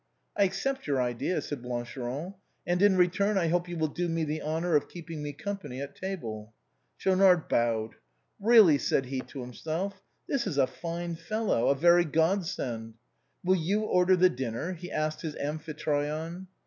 " I accept your idea," said Blancheron :" and in return, I hope you will do me the honor of keeping me company at table." Schaunard bowed. " Eeally," said he to himself, " this is a fine fellow — a very god send." " Will you order the dinner ?" he asked his Amphitryon.